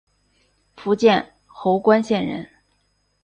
福建侯官县人。